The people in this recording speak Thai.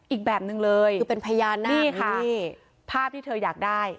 อีกแบบหนึ่งเลยคือเป็นพญานาคค่ะนี่ภาพที่เธออยากได้